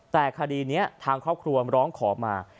แต่คดีนี้ทางครอบครัวร้องขอมา